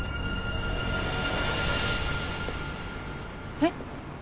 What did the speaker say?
えっ？